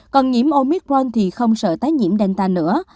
còn nhiễm omicron thì không sợ tái nhiễm danta nữa